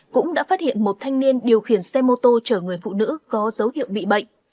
cũng đã phát hiện một thanh niên điều khiển xe mô tô chở người phụ nữ có dấu hiệu bị bệnh